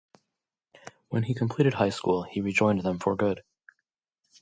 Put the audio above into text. When he completed high school, he rejoined them for good.